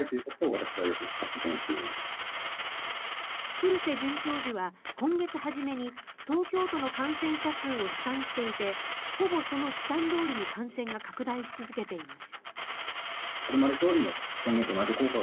古瀬准教授は今月初めに東京都の感染者数を試算していてほぼその試算どおりに感染が拡大し続けています。